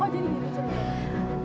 oh jadi begini